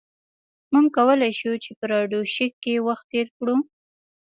موږ کولی شو په راډیو شیک کې وخت تیر کړو